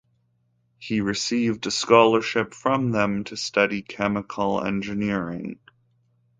He received a scholarship from them to study chemical engineering.